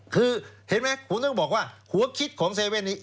คือเห็นไหมผมต้องบอกว่าหัวคิดของ๗๑๑นี้